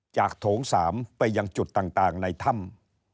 โถง๓ไปยังจุดต่างในถ้ำ